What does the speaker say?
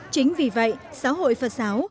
chính vì vậy xã hội phật giáo